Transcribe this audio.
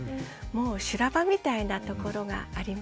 もう修羅場みたいなところがありますよね。